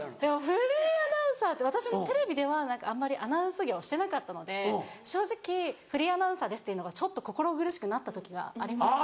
フリーアナウンサーって私テレビではあまりアナウンス業してなかったので正直「フリーアナウンサーです」って言うのがちょっと心苦しくなった時がありました。